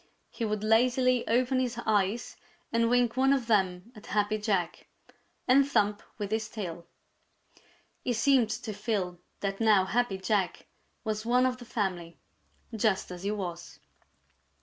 He would lazily open his eyes and wink one of them at Happy Jack and thump with his tail. He seemed to feel that now Happy Jack was one of the family, just as he was.